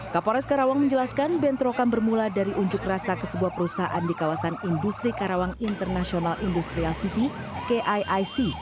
kapolres karawang menjelaskan bentrokan bermula dari unjuk rasa ke sebuah perusahaan di kawasan industri karawang international industrial city kiic